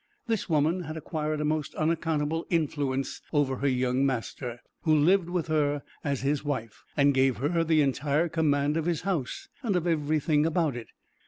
This woman had acquired a most unaccountable influence over her young master, who lived with her as his wife, and gave her the entire command of his house, and of every thing about it.